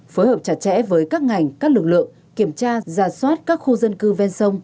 phối hợp chặt chẽ với các ngành các lực lượng kiểm tra ra soát các khu dân cư ven sông